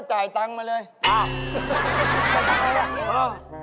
ใส่ก็เล็กมันเล็ก